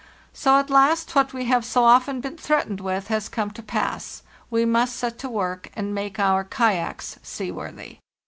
So, at last, what we have so often been threatened with has come to pass: we must set to work and make our kayaks seaworthy.